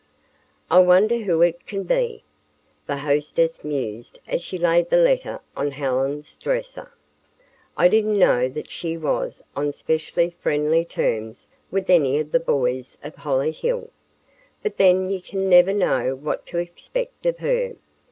"I wonder who it can be," the hostess mused as she laid the letter on Helen's dresser. "I didn't know that she was on specially friendly terms with any of the boys of Hollyhill. But then you can never know what to expect of her.